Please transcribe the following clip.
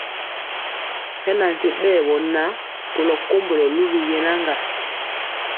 Hɛ na nkye ɓɛɛ wɔ na kolɔ kombɔlɔ luwi yenaŋga.